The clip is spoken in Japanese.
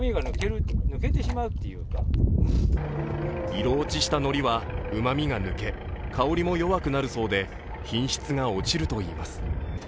色落ちしたのりは、うまみが抜け香りも弱くなるそうで品質が落ちるといいます。